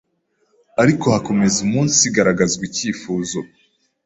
ariko hakomeza umunsigaragazwa icyifuzo